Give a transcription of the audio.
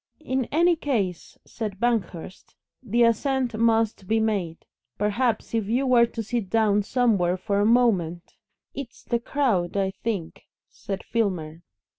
"In any case," said Banghurst, "the ascent must be made. Perhaps if you were to sit down somewhere for a moment " "It's the crowd, I think," said Filmer.